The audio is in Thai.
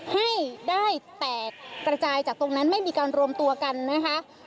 ให้ได้แตกกระจายจากตรงนั้นไม่มีการรวมตัวกันนะคะ